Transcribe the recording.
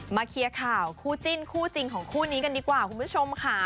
เคลียร์ข่าวคู่จิ้นคู่จริงของคู่นี้กันดีกว่าคุณผู้ชมค่ะ